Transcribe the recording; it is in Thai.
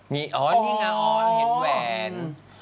อ๋อนี่ไงอ๋อเห็นแวน